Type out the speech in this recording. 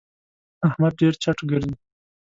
احمد ډېر چټ ګرځي.